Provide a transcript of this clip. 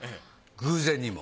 偶然にも。